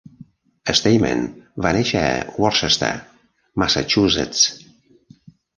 Stayman va néixer a Worcester, Massachusetts.